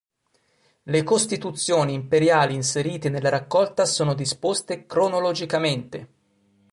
Le costituzioni imperiali inserite nella raccolta sono disposte cronologicamente.